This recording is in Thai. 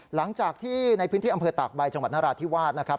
หลังจากที่ในพื้นที่อำเภอตากใบจังหวัดนราธิวาสนะครับ